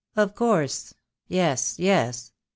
"Of course. Yes, yes.